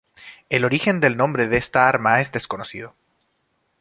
El origen del nombre de esta arma es desconocido.